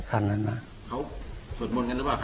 เขาสดบนกันหรือเปล่าครับ